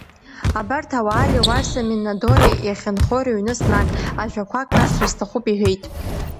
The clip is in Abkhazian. Абарҭ ауаа, Леуарсеи Минадореи иахьынхо рыҩны снаг, ажәақәак расҳәар сҭахуп, – иҳәеит.